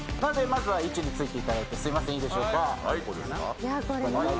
まずは位置についていただいて、皆さんいいでしょうか。